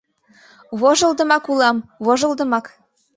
— Вожылдымак улам, вожылдымак!..